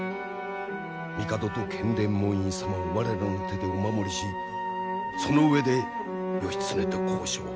帝と建礼門院様を我らの手でお守りしその上で義経と交渉を。